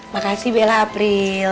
makasih bella april